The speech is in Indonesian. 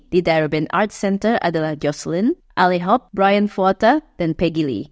di darabin arts center adalah jocelyn ali hop brian fuata dan peggy lee